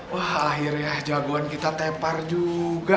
wah akhirnya jagoan kita tepar juga